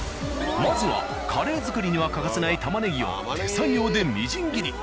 まずはカレー作りには欠かせない玉ねぎを手作業でみじん切り。